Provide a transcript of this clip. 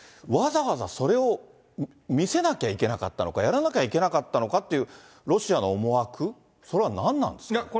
わざわざそれを見せなきゃいけなかったのか、やらなきゃいけなかったのかという、ロシアの思惑、それは何なんですか。